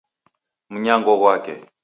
Mnyango ghwake